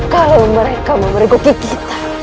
kalau mereka memergoki kita